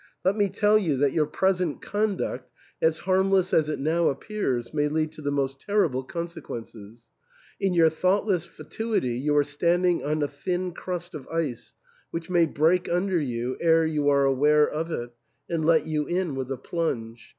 Let me tell you that your present conduct, as harmless as it now appears, may lead to the most terrible consequences. In your thoughtless fatuity you are standing on a thin crust of ice, which may break under you ere you are aware of it, and let you in with a plunge.